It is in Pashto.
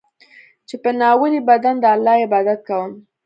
چې په ناولي بدن د الله عبادت کوم.